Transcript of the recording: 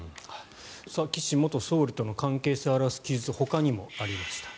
岸元総理との関係性を表す記述ほかにもありました。